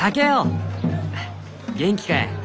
元気かえ？